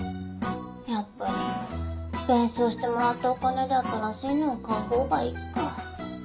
やっぱり弁償してもらったお金で新しいのを買うほうがいいか。